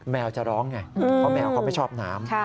แมวจะร้องไงเพราะแมวเขาไม่ชอบน้ำ